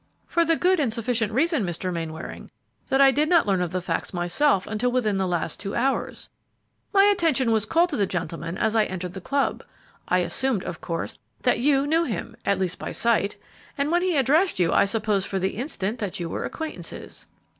"For the good and sufficient reason, Mr. Mainwaring, that I did not learn of the facts myself until within the last two hours. My attention was called to the gentleman as I entered the club. I assumed, of course, that you knew him, at least by sight, and when he addressed you I supposed for the instant that you were acquaintances."